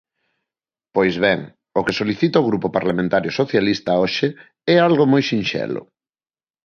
Pois ben, o que solicita o Grupo Parlamentario Socialista hoxe é algo moi sinxelo.